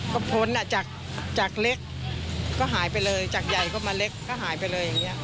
ก็พ้นอ่ะจากเล็กก็หายไปเลยจากใหญ่ก็มาเล็กก็หายไปเลยอย่างนี้